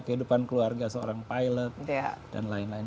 kehidupan keluarga seorang pilot dan lain lain